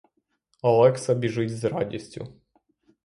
Олекса біжить з радістю.